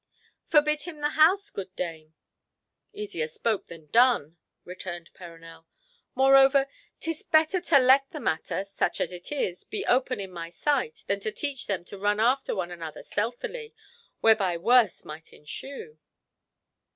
"Forbid him the house, good dame." "Easier spoken than done," returned Perronel. "Moreover, 'tis better to let the matter, such as it is, be open in my sight than to teach them to run after one another stealthily, whereby worse might ensue."